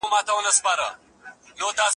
هیڅوک باید د قانوني وکیل له حق څخه محروم نه سي.